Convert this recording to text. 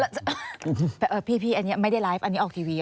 แต่พี่อันนี้ไม่ได้ไลฟ์อันนี้ออกทีวี